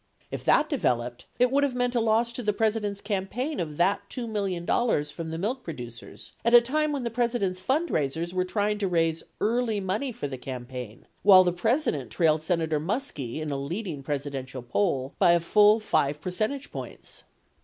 If that developed, it would have meant a loss to the President's campaign of that $2 million from the milk producers at a time when the President's fundraisers were trying to raise "early money" for the campaign while the President trailed Sen ator Muskie in a leading Presidential poll by a full five percentage points.